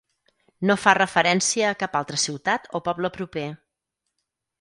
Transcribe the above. No fa referència a cap altra ciutat o poble proper.